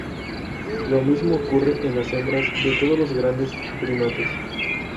Lo mismo ocurre en las hembras de todos los grandes primates.